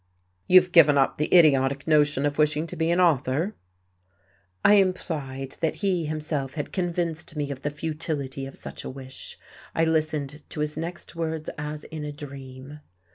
"You've given up the idiotic notion of wishing to be an author?" I implied that he himself had convinced me of the futility of such a wish. I listened to his next words as in a dream.